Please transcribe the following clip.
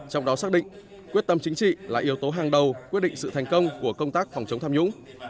trong đó xác định quyết tâm chính trị là yếu tố hàng đầu quyết định sự thành công của công tác phòng chống tham nhũng